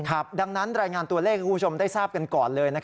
ดังนั้นรายงานตัวเลขให้คุณผู้ชมได้ทราบกันก่อนเลย